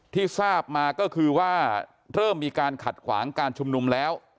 ที่ทราบมาก็คือว่าเริ่มมีการขัดขวางการชุมนุมแล้ว